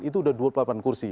itu sudah dua delapan kursi